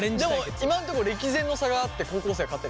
今んとこ歴然の差があって高校生が勝ってる。